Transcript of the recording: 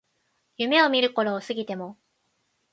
夢見る頃を過ぎても